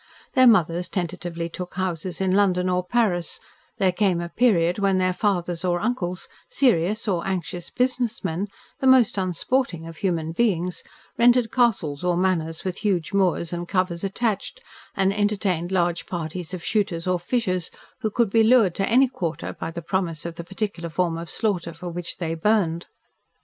Their mothers tentatively took houses in London or Paris, there came a period when their fathers or uncles, serious or anxious business men, the most unsporting of human beings, rented castles or manors with huge moors and covers attached and entertained large parties of shooters or fishers who could be lured to any quarter by the promise of the particular form of slaughter for which they burned.